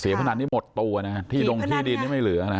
เสียพนันนี้หมดตัวนะที่ดงที่ดินยังไม่เหลือนะ